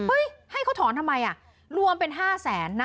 อืมเฮ้ยให้เขาถอนทำไมอ่ะรวมเป็นห้าแสนน่ะ